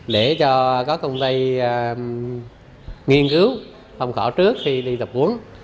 để cho các công ty nghiên cứu phong khỏe trước khi đi tập huấn